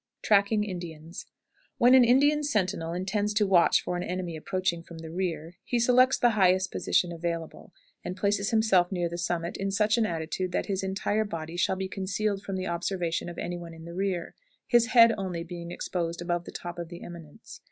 TRACKING INDIANS. When an Indian sentinel intends to watch for an enemy approaching from the rear, he selects the highest position available, and places himself near the summit in such an attitude that his entire body shall be concealed from the observation of any one in the rear, his head only being exposed above the top of the eminence.